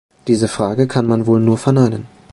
Diese Frage kann man wohl nur verneinen!